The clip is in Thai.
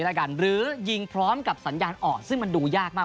หรือยิงพร้อมกับสัญญาณออดซึ่งมันดูยากมาก